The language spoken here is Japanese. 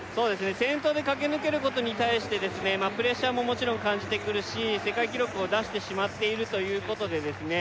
先頭で駆け抜けることに対してプレッシャーももちろん感じてくるし世界記録を出してしまっているということでですね